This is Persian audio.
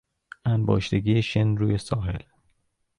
انباشتگی شن روی ساحل